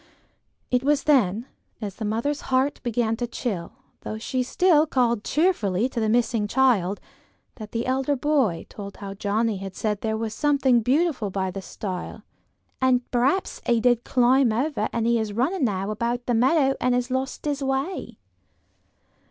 It was then, as the mother's heart began to chill, though she still called cheerfully to the missing child, that the elder boy told how Johnnie had said there was something beautiful by the stile: "and perhaps he did climb over, and he is running now about the meadow, and has lost his way."